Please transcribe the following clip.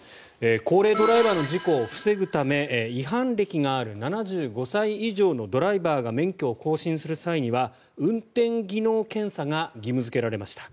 高齢ドライバーの事故を防ぐため違反歴がある７５歳以上のドライバーが免許を更新する際には運転技能検査が義務付けられました。